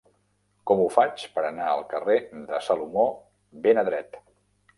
Com ho faig per anar al carrer de Salomó ben Adret